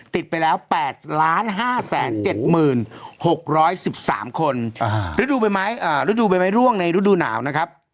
ติดไปแล้ว๘๕๗๖๑๓คนฤดูใบไม้ร่วงในฤดูหนาวนะครับ